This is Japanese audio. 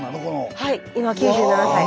はい今９７歳。